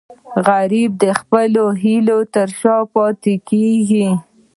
غریب د خپلو هیلو تر شا نه پاتې کېږي